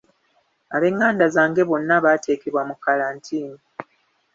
Abenganda zange bonna baateekebwa mu kkalantiini.